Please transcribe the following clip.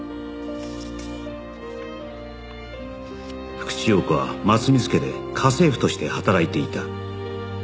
福地陽子は松水家で家政婦として働いていた